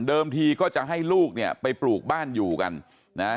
ทีก็จะให้ลูกเนี่ยไปปลูกบ้านอยู่กันนะฮะ